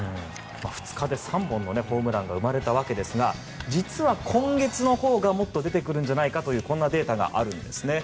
２日で３本のホームランが生まれたわけですが実は今月のほうがもっと出てくるのではというこんなデータがあるんですね。